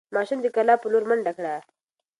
ماشوم د کلا په لور منډه کړه.